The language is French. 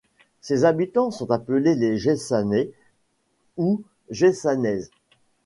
Ses habitants sont appelés les Geyssanais ou Geyssanaises.